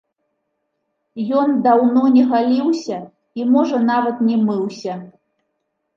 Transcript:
Ён даўно не галіўся і можа нават не мыўся.